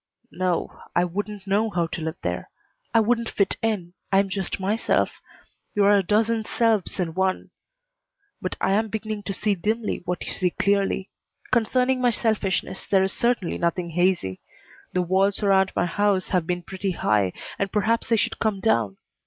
"No, I wouldn't know how to live there. I wouldn't fit in. I am just myself. You are a dozen selves in one. But I am beginning to see dimly what you see clearly. Concerning my selfishness there is certainly nothing hazy. The walls around my house have been pretty high, and perhaps they should come down.